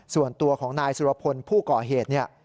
ส่วนตัวของนายสุรพลผู้ก่อเหตุเนี่ย